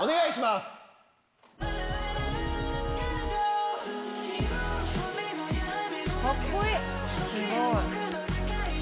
すごい！